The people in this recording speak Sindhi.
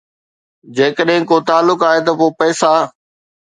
جيڪڏهن ڪو تعلق آهي، ته پوء پئسا